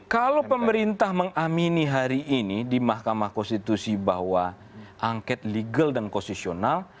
kalau pemerintah mengamini hari ini di mahkamah konstitusi bahwa angket legal dan konstitusional